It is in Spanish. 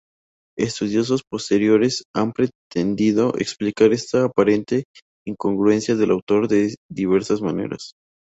Estudiosos posteriores han pretendido explicar esta aparente incongruencia del autor de diversas maneras.